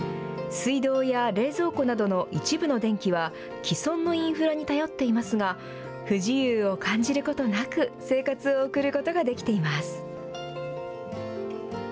水道や冷蔵庫などの一部の電気は、既存のインフラに頼っていますが、不自由を感じることなく、生活を送ることができています。